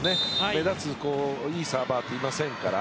目立ついいサーバーがいませんから。